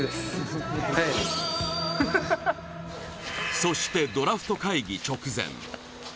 そして、ドラフト会議直前。